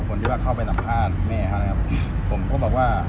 คนที่ว่าเข้าไปสัมภาษณ์แม่เขานะครับ